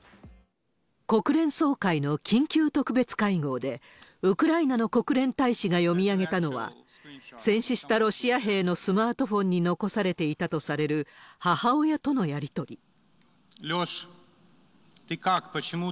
国連総会の緊急特別会合で、ウクライナの国連大使が読み上げたのは、戦死したロシア兵のスマートフォンに残されていたとされる、母親とのやり取り。